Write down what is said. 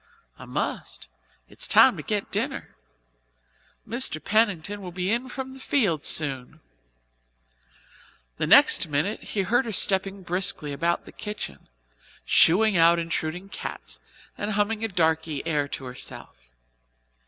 "I must. It's time to get dinner. Mr. Pennington will be in from the fields soon." The next minute he heard her stepping briskly about the kitchen, shooing out intruding cats, and humming a darky air to herself.